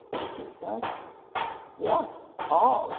she said. 'Yes, all!